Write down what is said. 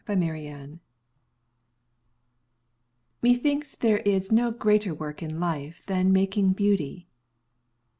BEAUTY MAKING Methinks there is no greater work in life Than making beauty.